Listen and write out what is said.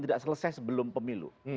tidak selesai sebelum pemilu